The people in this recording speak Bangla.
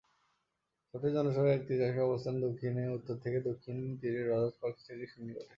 শহরটির জনসংখ্যার এক তৃতীয়াংশের অবস্থান দক্ষিণে উত্তর থেকে দক্ষিণ তীরের রজার্স পার্ক থেকে নদীর সন্নিকটে।